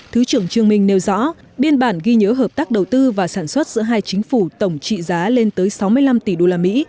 thứ trưởng trương minh nêu rõ biên bản ghi nhớ hợp tác đầu tư và sản xuất giữa hai chính phủ tổng trị giá lên tới sáu mươi năm tỷ đô la mỹ